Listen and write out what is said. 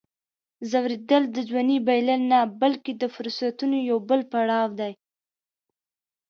زوړېدل د ځوانۍ بایلل نه، بلکې د فرصتونو یو بل پړاو دی.